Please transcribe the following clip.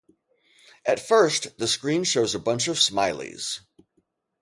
At first, the screen shows a bunch of smileys.